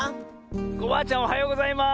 コバアちゃんおはようございます！